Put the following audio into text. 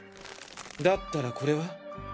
だったらこれは？